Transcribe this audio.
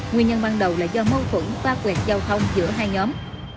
nguyên nhân ban đầu là do mâu thuẫn pa quẹt giao thông giữa hai nhóm